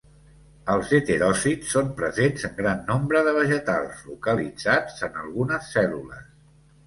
Els heteròsids són presents en gran nombre de vegetals, localitzats en algunes cèl·lules.